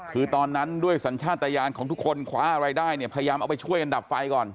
คือตอนนั้นด้วยสัญชาติยานของทุกคนคว้าอะไรได้เนี่ยพยายามเอาไปช่วยกันดับไฟก่อน